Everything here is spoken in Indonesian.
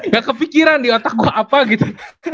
gak kepikiran di otak gue apa gitu